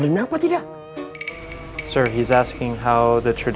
begitulah yang dilakukan pelajar pointed